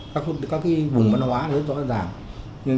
các cái vùng văn hóa là rất rõ ràng